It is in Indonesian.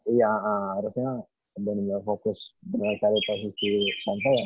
iya harusnya udah tinggal fokus dengan cari posisi center ya